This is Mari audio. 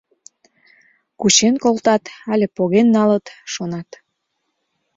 Кучен колтат але поген налыт, шонат.